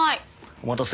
お待たせ。